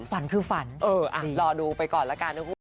ฝันคือฝันดีอ่ะรอดูไปก่อนละกันนะครับ